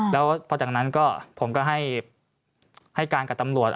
แล้วพอจากนั้นก็ผมก็ให้การกับตำรวจ